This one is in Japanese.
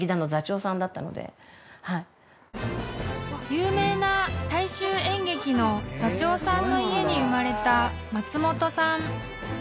［有名な大衆演劇の座長さんの家に生まれた松本さん］